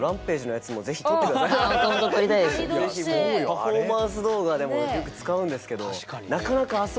パフォーマンス動画でもよく使うんですけどすごいなと思って。